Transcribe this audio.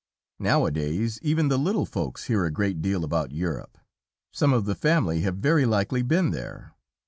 Nowadays, even the little Folks hear a great deal about Europe. Some of the family have very likely been there.